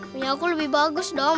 mie aku lebih bagus dong